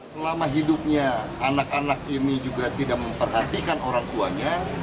selama hidupnya anak anak ini juga tidak memperhatikan orang tuanya